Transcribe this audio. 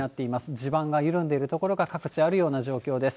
地盤が緩んでいる所が各地あるような状況です。